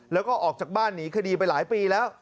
แล้วก็ออกจากบ้านหนีคดีไปหลายปีแล้ว